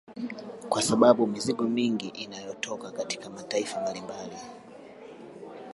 Kwa sababu mizigo mingi inayotoka katika mataifa mbalimbali